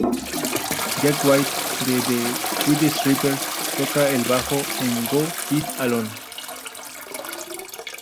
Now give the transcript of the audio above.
Jack White de The White Stripes toca el bajo en "Go It Alone".